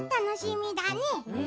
楽しみだね。